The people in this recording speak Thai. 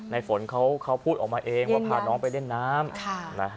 ฝนเขาพูดออกมาเองว่าพาน้องไปเล่นน้ำ